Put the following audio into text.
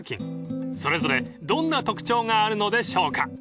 ［それぞれどんな特徴があるのでしょうか？］